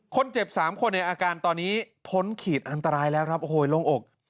คนเจ็บ๓คนในอาการตอนนี้พ้นขีดอันตรายแล้วครับโอ้โหลงอก